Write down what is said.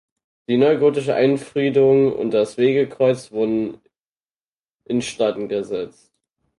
Die neugotische Einfriedung und das Wegekreuz wurden instand gesetzt.